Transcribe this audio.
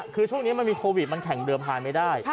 คือโควิดมันแข่งเรือภายไม่ได้